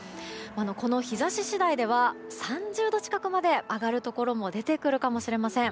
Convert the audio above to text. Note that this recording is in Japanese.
この日差し次第では３０度近くまで上がるところも出てくるかもしれません。